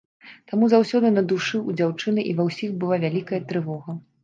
Таму заўсёды на душы ў дзяўчыны і ва ўсіх была вялікая трывога.